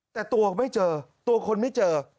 แต่ตัวไม่เจอตัวคนไม่เจอ